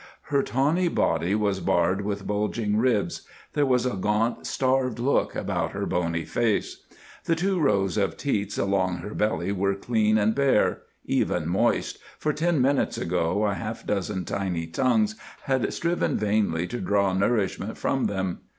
Her tawny body was barred with bulging ribs; there was a gaunt, starved look upon her bony face. The two rows of teats along her belly were clean and bare—even moist, for ten minutes ago a half dozen tiny tongues had striven vainly to draw nourishment from them.